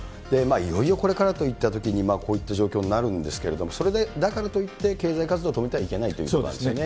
いよいよこれからといったときに、こういった状況になるんですけれども、それでだからといって、経済活動を止めてはいけないというわけですよね。